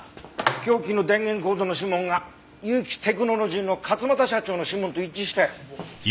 凶器の電源コードの指紋が結城テクノロジーの勝又社長の指紋と一致したよ。